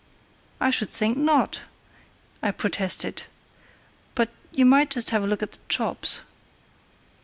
"I should think not," I protested. "But you might just have a look at the chops."